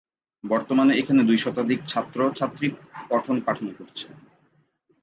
বর্তমানে এখানে দুই শতাধিক ছাত্র ছাত্রী পঠন পাঠন করছে।